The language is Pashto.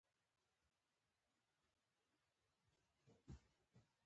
خړ کمر د يو ځاى نوم دى